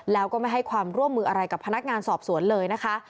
แล้วก็ไม่ให้ความร่วมมืออะไรกับพนักงานสอบสวนเลยนะคะ